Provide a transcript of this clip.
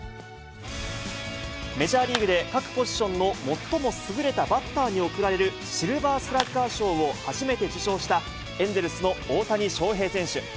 メジャーリーグで各ポジションの最も優れたバッターに贈られるシルバースラッガー賞を初めて受賞した、エンゼルスの大谷翔平選手。